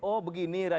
oh begini radikal